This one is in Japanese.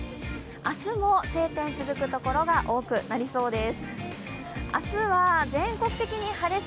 明日も晴天続くところが多くなりそうです。